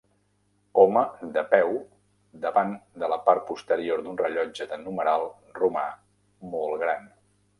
Home de peu davant de la part posterior d'un rellotge de numeral romà molt gran